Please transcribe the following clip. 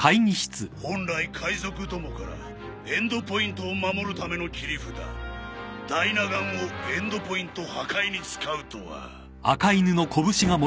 本来海賊どもからエンドポイントを守るための切り札ダイナ岩をエンドポイント破壊に使うとは。